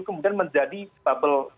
kemudian menjadi bubble